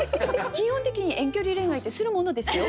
基本的に遠距離恋愛ってするものですよ。